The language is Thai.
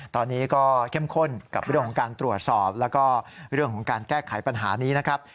ตอนนี้ก็เข้มข้นกับเรื่องของการตรวจสอบแล้วก็เรื่องของการแก้ไขปัญหานี้นะครับ